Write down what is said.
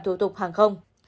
thủ tục hàng không